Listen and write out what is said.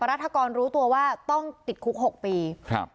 รัฐกรรู้ตัวว่าต้องติดคุกหกปีครับ